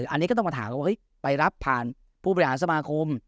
อันนี้ก็ต้องมาถามว่าเฮ้ยไปรับผ่านผู้บริหารสมาคม